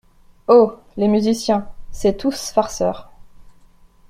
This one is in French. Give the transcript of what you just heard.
Oh ! les musiciens ! c’est tous farceurs !…